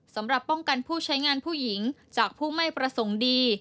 สำหรับป้องกันผู้ใช้งานผู้หญิงจากผู้ไม่ประสงค์ดี